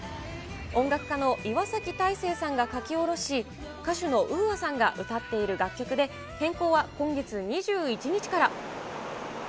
音楽家の岩崎太整さんが書き下ろし、歌手のＵＡさんが歌っている楽曲で、変更は今月２１日から。